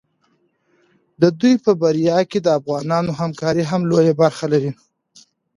د دوی په بریا کې د افغانانو همکاري هم لویه برخه لري.